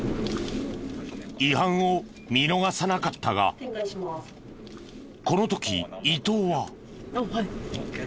違反を見逃さなかったがこの時伊東は。